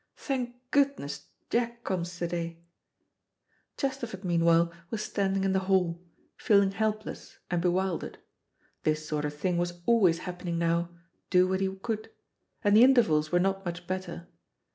Thank goodness, Jack comes to day." Chesterford, meanwhile, was standing in the hall, feeling helpless and bewildered. This sort of thing was always happening now, do what he could; and the intervals were not much better.